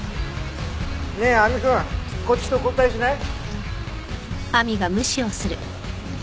ねえ亜美くんこっちと交代しない？